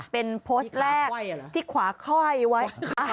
เป็นโพสต์แรกที่ขาไข้ไว้